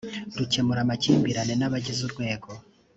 rukemura amakimbirane n abagize urwego